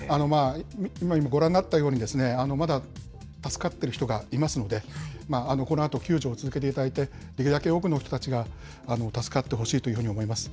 今、ご覧になったように、まだ助かっている人がいますので、このあと救助を続けていただいて、できるだけ多くの人たちが助かってほしいというふうに思います。